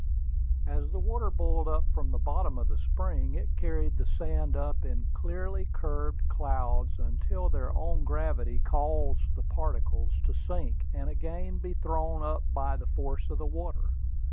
As the water boiled up from the bottom of the spring, it carried the sand up in clearly curved clouds until their own gravity caused the particles to sink, and again be thrown up by the force of the water.